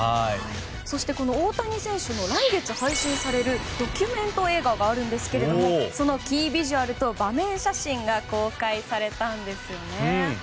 そして、来月配信される大谷選手のドキュメント映画がありますがそのキービジュアルと場面写真が公開されたんです。